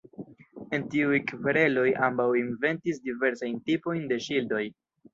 En tiuj kvereloj, ambaŭ inventis diversajn tipojn de ŝildoj.